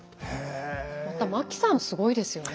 また槇さんもすごいですよね。